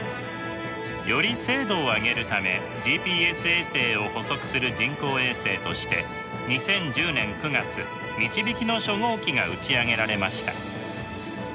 より精度を上げるためＧＰＳ衛星を補足する人工衛星として２０１０年９月みちびきの初号機が打ち上げられました。